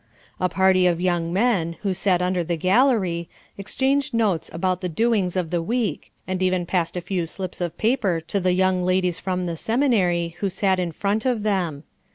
A party of young men, who sat under the gallery, exchanged notes about the doings of the week, and even passed a few slips of paper to the young ladies from the seminary, who sat in front of them.